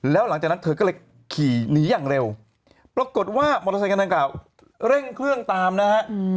แล้วหลังจากนั้นเธอก็เลยขี่หนีอย่างเร็วปรากฏว่ามอเตอร์ไซคันดังกล่าวเร่งเครื่องตามนะฮะ